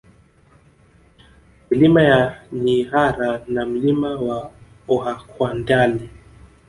Milima ya Nyihara na Mlima wa Ohakwandali